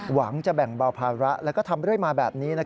หวังจะแบ่งเบาภาระแล้วก็ทำเรื่อยมาแบบนี้